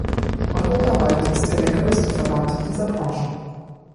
Europaweit ist er der größte Verband dieser Branchen.